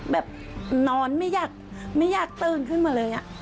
แบบนอนไม่อยากตื่นขึ้นมาเลย